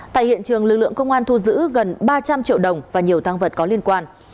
tại hiện trường lực lượng công an thu giữ gần ba trăm linh triệu đồng và nhiều tăng vật có liên quan